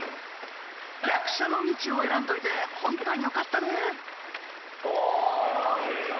役者の道を選んどいて本当によかったねおおー内藤さん